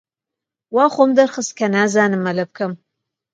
وا خۆم دەرخست کە نازانم مەلە بکەم.